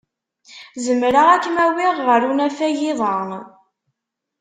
Zemreɣ ad kem-awiɣ ɣer unafag iḍ-a.